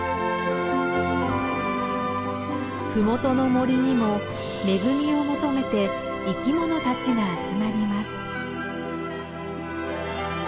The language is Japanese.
麓の森にも恵みを求めて生き物たちが集まります。